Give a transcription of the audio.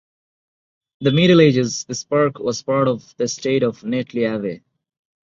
In the Middle Ages this park was part of the estate of Netley Abbey.